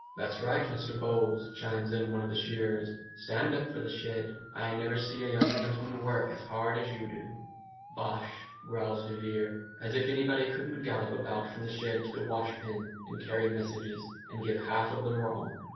"That's right, Mr Bowles," chimes in one of the shearers, "stand up for the shed. I never see a young gentleman work as hard as you do." "Bosh!" growls de Vere, "as if anybody couldn't gallop about from the shed to the washpen, and carry messages, and give half of them wrong!